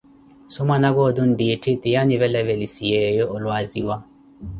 so mwanaka otu nttiitthi tiye anivelavelisiyeeyo olwaziwa.